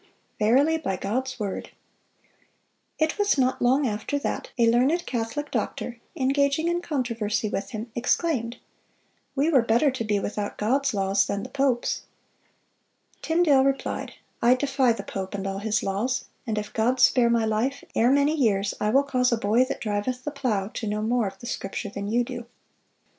Verily by God's word."(363) It was not long after that a learned Catholic doctor, engaging in controversy with him, exclaimed, "We were better to be without God's laws than the pope's." Tyndale replied, "I defy the pope and all his laws; and if God spare my life, ere many years I will cause a boy that driveth the plow to know more of the Scripture than you do."